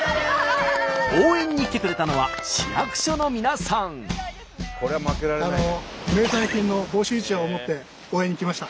応援に来てくれたのは名産品の房州うちわを持って応援に来ました。